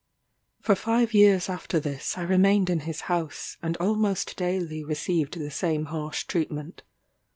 For five years after this I remained in his house, and almost daily received the same harsh treatment.